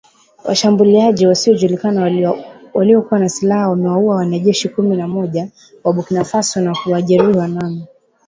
Washambuliaji wasiojulikana waliokuwa na silaha wamewaua wanajeshi kumi na moja wa Burkina Faso na kuwajeruhi wanane